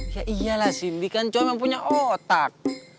ya iyalah cindy kan cowok yang punya otak